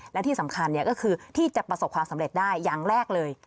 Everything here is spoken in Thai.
และที่สำคัญก็คือที่จะประสบความสำเร็จได้อย่างแรกเลย